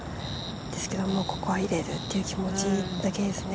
ですけど、ここは入れるという気持ちだけですね。